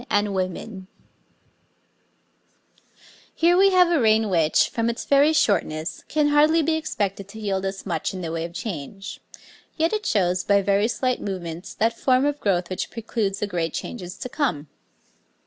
a type of hat}] Here we have a reign which, from its very shortness, can hardly be expected to yield us much in the way of change, yet it shows, by very slight movements, that form of growth which preludes the great changes to come.